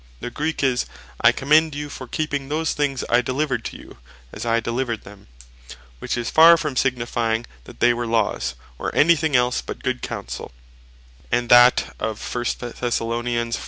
The Greek is, "I commend you for keeping those things I delivered to you, as I delivered them." Which is far from signifying that they were Laws, or any thing else, but good Counsell. And that of 1 Thess.